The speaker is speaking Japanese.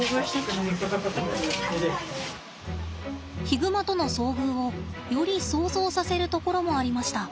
ヒグマとの遭遇をより想像させるところもありました。